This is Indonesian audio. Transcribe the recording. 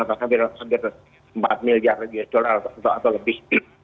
atau hampir empat miliar usd atau lebih